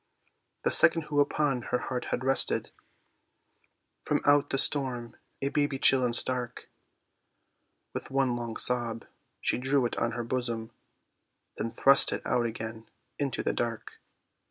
The second who upon her heart had rested From out the storm, a baby chill and stark, With one long sob she drew it on her bosom, Then thrust it out again into the dark.